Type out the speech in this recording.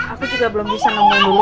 aku juga belum bisa ngomong dulu